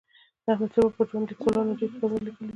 د احمدشاه بابا پر ژوند لیکوالانو ډېر کتابونه لیکلي دي.